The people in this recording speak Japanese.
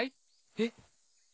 えっ？